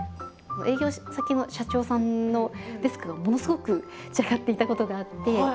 営業先の社長さんのデスクがものすごく散らかっていたことがあって。